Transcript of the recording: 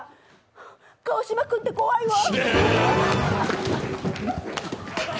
川島君って怖いわ。